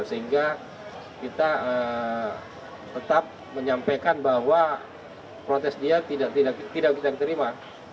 sehingga kita tetap menyampaikan bahwa protes dia tidak kita terima